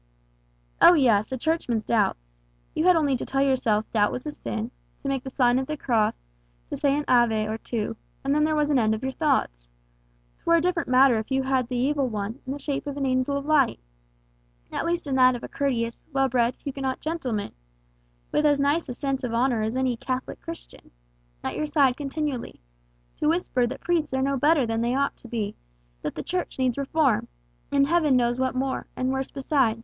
"Oh yes, a Churchman's doubts! You had only to tell yourself doubt was a sin, to make the sign of the cross, to say an Ave or two, then there was an end of your doubts. 'Twere a different matter if you had the evil one in the shape of an angel of light at least in that of a courteous, well bred Huguenot gentleman, with as nice a sense of honour as any Catholic Christian at your side continually, to whisper that the priests are no better than they ought to be, that the Church needs reform; and Heaven knows what more, and worse, beside.